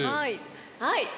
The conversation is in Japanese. はい。